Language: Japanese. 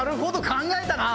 考えたな。